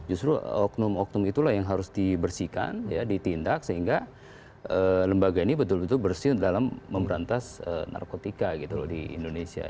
justru oknum oknum itulah yang harus dibersihkan ya ditindak sehingga lembaga ini betul betul bersih dalam memberantas narkotika gitu loh di indonesia